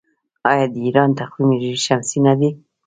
آیا د ایران تقویم هجري شمسي نه دی؟